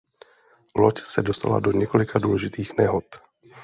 Loď se dostala do několika důležitých nehod.